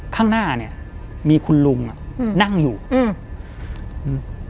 ข้างหน้าเนี้ยมีคุณลุงอ่ะอืมนั่งอยู่อืมอืม